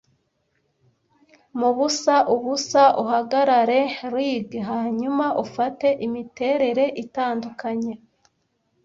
Mubusa ubusa uhagarare ligue hanyuma ufate imiterere itandukanye,